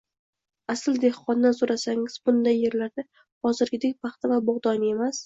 Asl dehqondan so‘rasangiz bunday yerlarda hozirgidek paxta va bug‘doyni emas